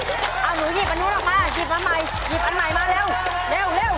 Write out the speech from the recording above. เอาหนูหยิบอันนู้นออกมาหยิบอันใหม่หยิบอันใหม่มาเร็วเร็ว